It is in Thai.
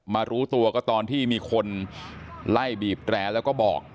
รู้ตัวก็ตอนที่มีคนไล่บีบแตรแล้วก็บอก